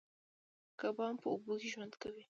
کبان په اوبو کې ژوند کوي